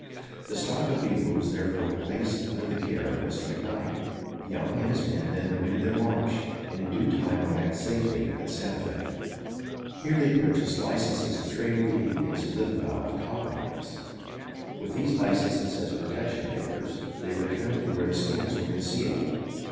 The stock of beaver was therefore placed under the care of Mr. McKnight. Young and his men then renewed their march, and in due time arrived safely at Santa Fé. Here they purchased licenses to trade with the Indians who live about the copper mines. With these licenses as protection papers, they returned to where the skins were concealed.